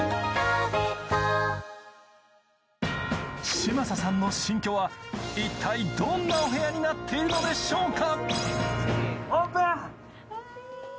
嶋佐さんの新居は一体どんなお部屋になっているのでしょうか？